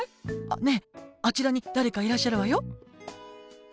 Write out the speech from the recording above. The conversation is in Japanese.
ねえあちらに誰かいらっしゃるわよ！